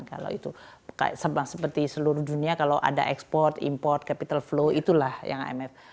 kalau itu seperti seluruh dunia kalau ada ekspor import capital flow itulah yang imf